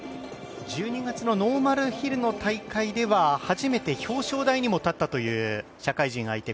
１２月のノーマルヒルの大会では初めて表彰台にも立ったという、社会人相手に。